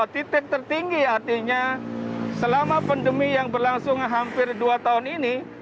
titik tertinggi artinya selama pandemi yang berlangsung hampir dua tahun ini